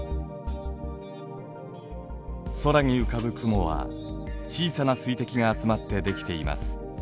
空に浮かぶ雲は小さな水滴が集まって出来ています。